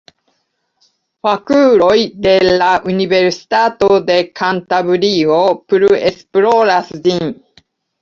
Fakuloj de la Universitato de Kantabrio plu esploras ĝin.